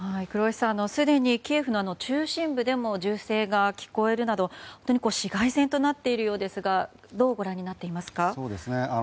黒井さん、すでにキエフの中心部でも銃声が聞こえるなど市街戦となっているようですがどうご覧になっていますか。